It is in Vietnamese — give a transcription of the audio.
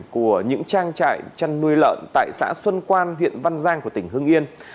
của những trang trại chăn nuôi lợn tại xã xuân quan huyện văn giang của tỉnh hưng yên